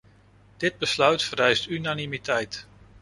Dit besluit vereist unanimiteit.